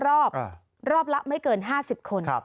รอบรอบละไม่เกิน๕๐คน